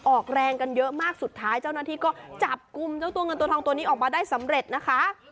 ออกแรงกันเยอะมากสุดท้ายเจ้าหน้าที่ก็จับกลุ่มเจ้าตัวเงินตัวทองตัวนี้ออกมาได้สำเร็จนะคะ